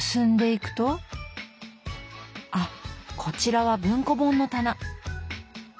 あこちらは文庫本の棚。